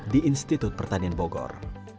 di institut pertanian bogor